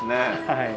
はい。